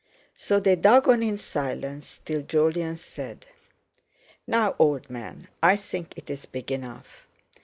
So they dug on in silence, till Jolyon said: "Now, old man, I think it's big enough."